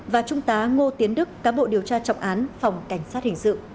và trung tá ngô tiến đức cám bộ điều tra trọng án phòng cảnh sát hình sự